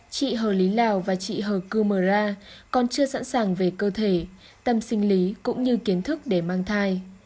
chị hờ lý lào và chị hờ kumara còn chưa sẵn sàng về cơ thể tâm sinh lý cũng như kiến thức để mang thai